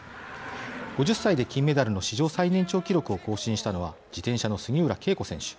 ５０歳で金メダルの史上最年長記録を更新したのは自転車の杉浦佳子選手。